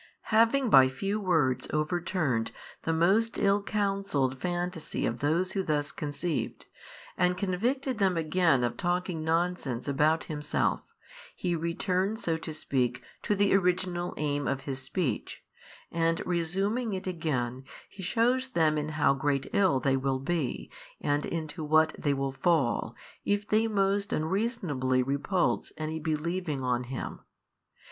Having by few words overturned the most ill counselled fantasy of those who thus conceived, and convicted them again of talking nonsense about Himself, He returns so to speak to the original aim of His Speech, and resuming it again He shews them in how great ill they will be and into what they will fall, if they most unreasonably repulse any believing on Him.